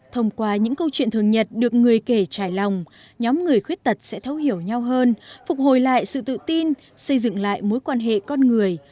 thông qua những câu chuyện thường nhật được người kể trải lòng nhóm người khuyết tật sẽ thấu hiểu nhau hơn phục hồi lại sự tự tin xây dựng lại mối quan hệ con người